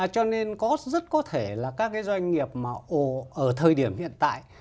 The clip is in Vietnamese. cho nên có rất có thể là các cái doanh nghiệp mà ồ ở thời điểm hiện tại